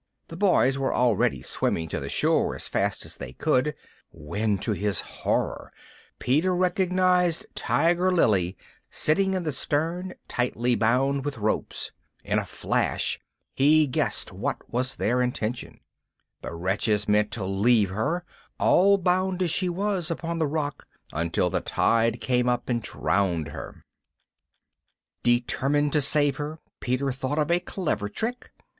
The boys were already swimming to the shore as fast as they could, when to his horror Peter recognised Tiger Lily sitting in the stern, tightly bound with ropes. In a flash he guessed what was their intention. The wretches meant to leave her, all bound as she was, upon the rock, until the tide came up and drowned her. [Illustration: SHE SLIPPED OUT OF HIS GRASP] Determined to save her, Peter thought of a clever trick.